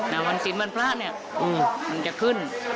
ในวันศิลป์วันพระเนี่ยมันจะขึ้น